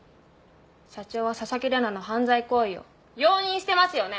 社長は紗崎玲奈の犯罪行為を容認してますよね。